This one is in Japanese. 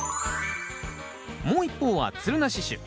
もう一方はつるなし種。